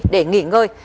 để nghỉ ngơi